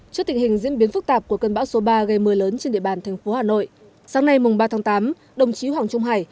trước tình hình diễn biến phức tạp của cơn bão số ba gây mưa lớn trên địa bàn thành phố hà nội sáng nay mùng ba tháng tám đồng chí hoàng trung hải